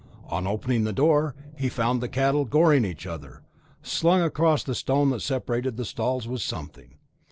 On opening the door, he found the cattle goring each other. Slung across the stone that separated the stalls was something.